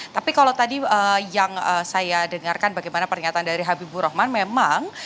tapi kalau tadi yang saya dengarkan bagaimana pernyataan dari habibur rahman memang